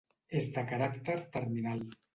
És de caràcter terminal.